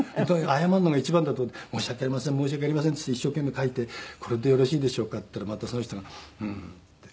謝るのが一番だと思って「申し訳ありません申し訳ありません」って言って一生懸命書いて「これでよろしいでしょうか？」って言ったらまたその人が「うーん」って。